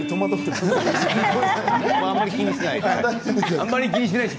あまり気にしないで。